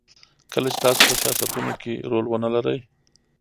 کله چې تاسو په سیاستونو کې رول ونلرئ.